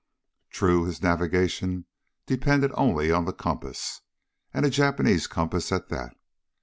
True, his navigation depended only on the compass. And a Jap compass at that.